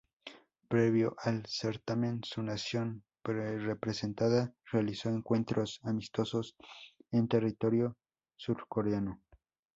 Previo al certamen, su nación representada realizó encuentros amistosos en territorio surcoreano.